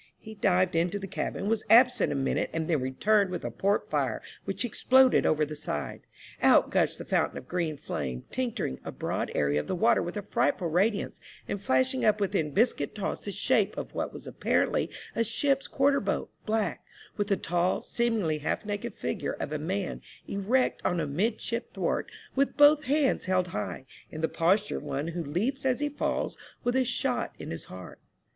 He dived into the cabin, was absent a minute, and then returned with a port fire, which he exploded over the side. Out gushed the fountain of green fiame, tinc turing a broad area of the water with a frightful radiance, and flashing up within biscuit toss the shape of what was apparently a ship's quarter boat, black, with the tall, seemingly half naked figure of a man erect on a midship thwart, with both hands held high, in the posture of one who leaps as he falls v^ith a shot in his heart.